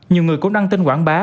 nhiều người cũng đăng tin quảng bá